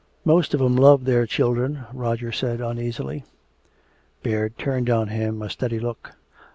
"Most of 'em love their children," Roger said uneasily. Baird turned on him a steady look.